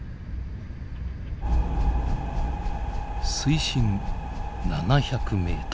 水深７００ｍ。